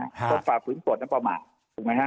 ฝ่าฝืนกฎและประมาทถูกไหมฮะ